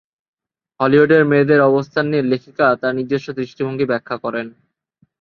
হলিউডের মেয়েদের অবস্থান নিয়ে লেখিকা তার নিজস্ব দৃষ্টিভঙ্গি ব্যাখ্যা করেন।